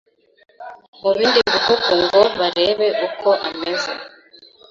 mu bindi bihugu ngo barebe uko ameze